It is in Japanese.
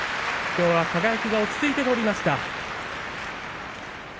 きょうは輝が落ち着いて取りました。